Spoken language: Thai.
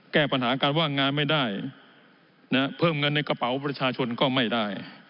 แก้ปัญหาการว่างงานไม่ได้เพิ่มเงินในกระเป๋าประชาชนก็ไม่ได้